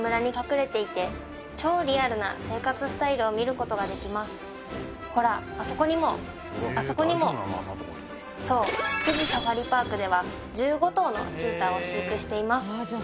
ここではチーターがほらあそこにもあそこにもそう富士サファリパークでは１５頭のチーターを飼育しています